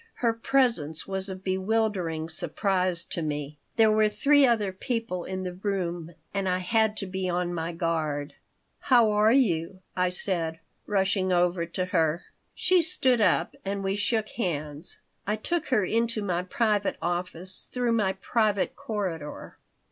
Her presence was a bewildering surprise to me There were three other people in the room and I had to be on my guard "How are you?" I said, rushing over to her She stood up and we shook hands. I took her into my private office through my private corridor.